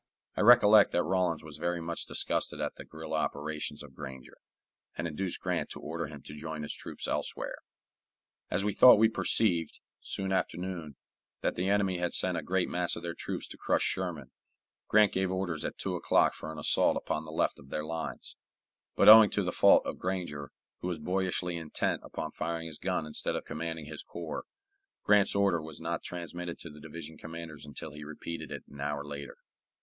I recollect that Rawlins was very much disgusted at the guerilla operations of Granger, and induced Grant to order him to join his troops elsewhere. As we thought we perceived, soon after noon, that the enemy had sent a great mass of their troops to crush Sherman, Grant gave orders at two o'clock for an assault upon the left of their lines; but owing to the fault of Granger, who was boyishly intent upon firing his gun instead of commanding his corps, Grant's order was not transmitted to the division commanders until he repeated it an hour later.